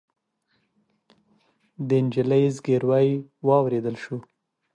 د نجلۍ زګيروی واورېدل شو.